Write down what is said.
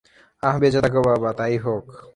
আহ বেঁচে থকো বাবা, তাই হোক।